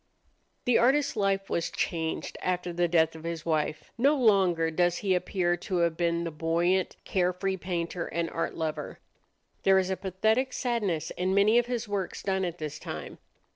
The artist's life was changed after the death of his wife. No longer does he appear to have been the buoyant, carefree painter and art lover. There is a pathetic sadness in many of his works done at this time.